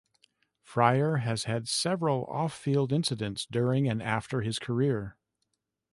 Fryar has had several off-field incidents during and after his career.